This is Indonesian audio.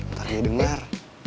ntar dia dengar